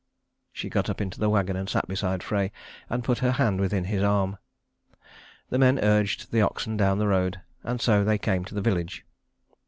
She got up into the wagon and sat beside Frey, and put her hand within his arm. The men urged the oxen down the road, and so they came to the village.